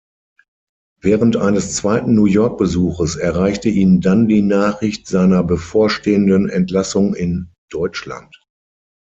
Während eines zweiten New-York-Besuches erreichte ihn dann die Nachricht seiner bevorstehenden Entlassung in Deutschland.